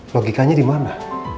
logikanya di mana